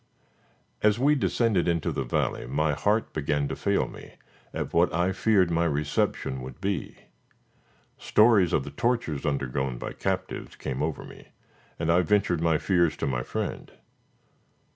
As we descended into the valley my heart began to fail me, at what I feared my reception would be. Stories of the tortures undergone by captives came over me, and I ventured my fears to my friend.